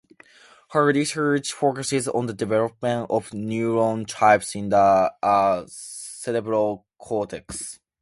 Her research focuses on the development of neuron types in the cerebral cortex.